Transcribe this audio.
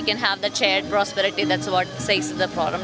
agar kita bisa memiliki keberlanjutan yang berkaitan dengan problem